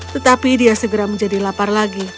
tetapi dia segera menjadi lapar lagi